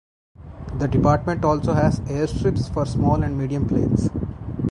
The department also has airstrips for small and medium planes.